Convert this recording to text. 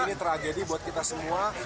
ini tragedi buat kita semua